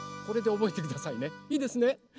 これでおぼえてくださいねいいですね。